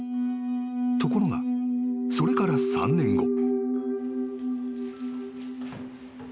［ところがそれから３年後］